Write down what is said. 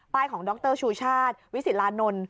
ป้ายของดรชูชาติวิสิตรานนล